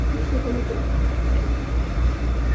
manyanyaso dhidi ya raia kwa msingi wa taarifa za kuaminika